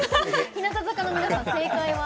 日向坂の皆さん、正解は？